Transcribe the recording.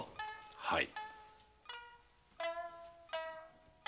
はい。